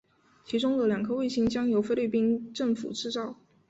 其中的两颗卫星将由菲律宾政府制造。